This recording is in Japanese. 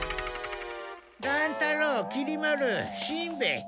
乱太郎きり丸しんべヱ